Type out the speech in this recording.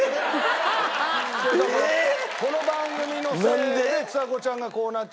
この番組のせいでちさ子ちゃんがこうなっちゃったっていう。